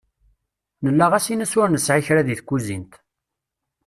Nella ɣas in-s ur nesεi kra deg tkuzint.